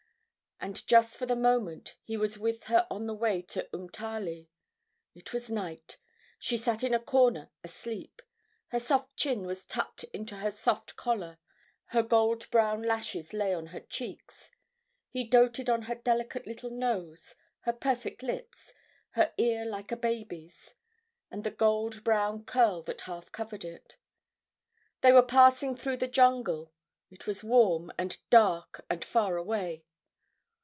And just for the moment he was with her on the way to Umtali. It was night. She sat in a corner asleep. Her soft chin was tucked into her soft collar, her gold brown lashes lay on her cheeks. He doted on her delicate little nose, her perfect lips, her ear like a baby's, and the gold brown curl that half covered it. They were passing through the jungle. It was warm and dark and far away.